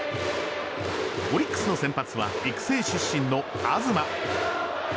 オリックスの先発は育成出身の東。